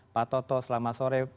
pak toto selamat sore